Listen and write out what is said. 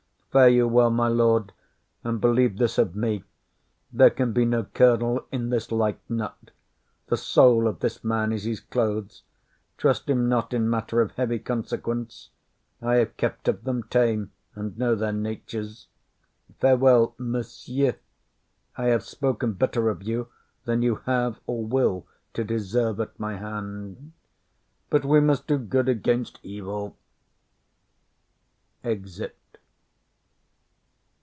Fare you well, my lord; and believe this of me, there can be no kernal in this light nut; the soul of this man is his clothes; trust him not in matter of heavy consequence; I have kept of them tame, and know their natures. Farewell, monsieur; I have spoken better of you than you have or will to deserve at my hand; but we must do good against evil. [_Exit.